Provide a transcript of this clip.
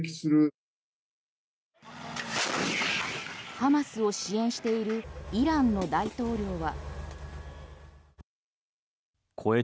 ハマスを支援しているイランの大統領は。